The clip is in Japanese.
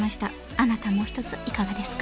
あなたもおひとついかがですか？